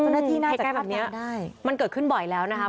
น่าจะแบบนี้มันเกิดขึ้นบ่อยแล้วนะครับ